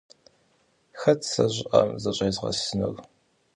Хэт сэ щӀыӀэм зыщӀезгъэсынур?